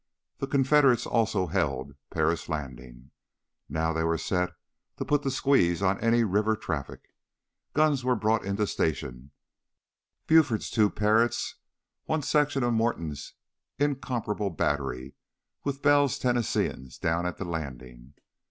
The Confederates also held Paris Landing. Now they were set to put the squeeze on any river traffic. Guns were brought into station Buford's two Parrots, one section of Morton's incomparable battery with Bell's Tennesseeans down at the Landing.